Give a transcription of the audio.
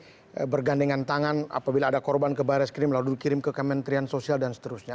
bagaimana kita selama ini bergandengan tangan apabila ada korban ke baris krim lalu dikirim ke kementerian sosial dan seterusnya